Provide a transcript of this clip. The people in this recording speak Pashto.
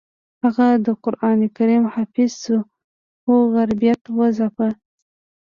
هغه د قران کریم حافظ شو خو غربت وځاپه